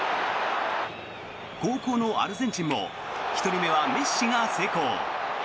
後攻のアルゼンチンも１人目はメッシが成功。